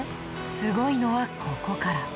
すごいのはここから。